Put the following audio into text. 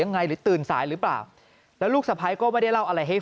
หรือตื่นสายหรือเปล่าแล้วลูกสะพ้ายก็ไม่ได้เล่าอะไรให้